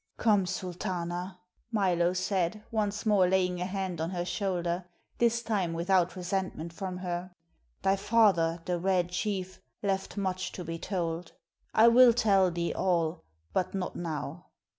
"Come, Sultana," Milo said, once more laying a hand on her shoulder, this time without resentment from her. "Thy father, the Red Chief, left much to be told; I will tell thee all, but not now.